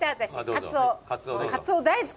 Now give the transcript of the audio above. カツオ大好き。